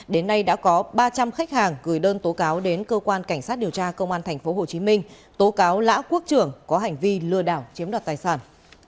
đến nay đã có ba trăm linh khách hàng gửi đơn tố cáo đến cơ quan cảnh sát điều tra công an tp hcm tố cáo lã quốc trưởng có hành vi lừa đảo chiếm đoạt tài sản